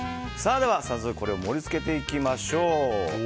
では、早速これを盛り付けていきましょう。